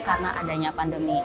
karena adanya pandemi